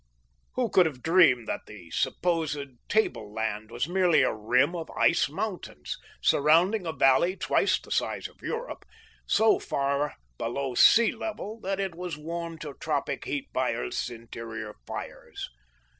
Who could have dreamed that the supposed table land was merely a rim of ice mountains, surrounding a valley twice the size of Europe, so far below sea level that it was warmed to tropic heat by Earth's interior fires?